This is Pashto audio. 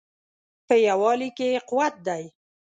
په یووالي کې قوت دی